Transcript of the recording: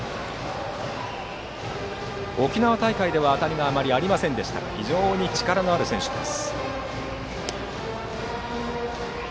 沖縄大会では当たりがあまりありませんでしたが非常に力のある選手です。